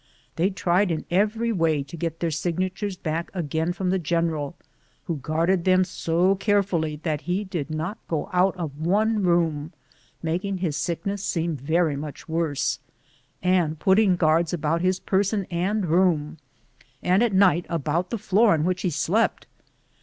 They tried in every way to get their signatures back again from the general, who guarded them so carefully that he did not go out of one room, making his sickness seem very much worse, and putting guards about his person and room, and at night about the floor on which he slept.